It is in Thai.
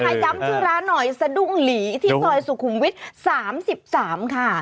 ย้ำชื่อร้านหน่อยสะดุ้งหลีที่ซอยสุขุมวิทย์๓๓ค่ะ